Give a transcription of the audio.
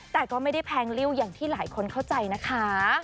แต่ก็ไม่ได้แพงริ้วอย่างที่หลายคนเข้าใจนะคะ